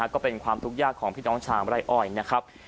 ก็เป็นความทุกข์ยากของพี่น้องชาวไร่อ้อยนะครับ